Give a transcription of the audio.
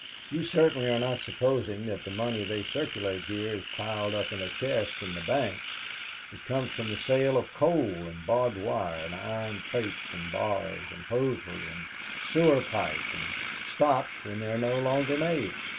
You certainly are not supposing that the money they circulate here is piled up in a chest in the banks. It comes from the sale of coal and barbed wire and iron plates and bars and hosiery and sewer pipe, and stops when they are no longer made.